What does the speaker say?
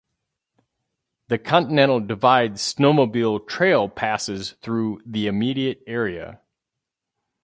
The Continental Divide Snowmobile Trail passes through the immediate area.